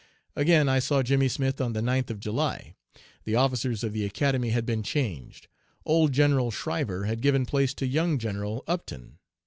"Again I saw Jimmy Smith on the 9th of July. The officers of the Academy had been changed. Old General Schriver had given place to young General Upton.